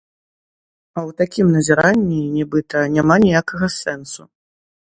А ў такім назіранні, нібыта, няма ніякага сэнсу.